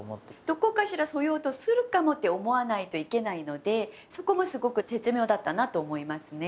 どこかしらそういう音するかもって思わないといけないのでそこもすごく絶妙だったなと思いますね。